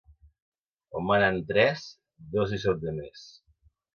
On manen tres, dos hi són de més.